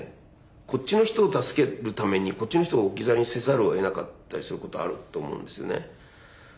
こっちの人を助けるためにこっちの人を置き去りにせざるをえなかったりすることあると思うんですよね。